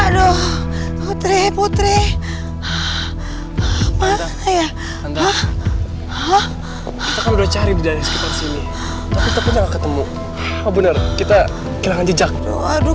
nanti berjumpa sekali bro